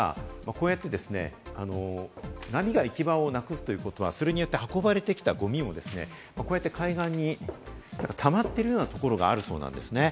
１つはこうやって、波が行き場をなくすということは、それによって、運ばれてきたゴミも、こうやって海岸にたまってるようなところがあるそうなんですね。